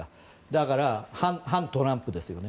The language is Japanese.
だから、反トランプですよね